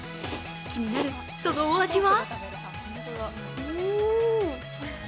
気になるそのお味は？